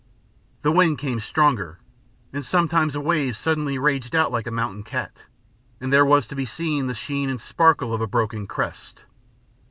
The wind came stronger, and sometimes a wave suddenly raged out like a mountain cat, and there was to be seen the sheen and sparkle of a broken crest.